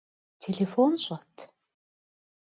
Têlêfon ş'et?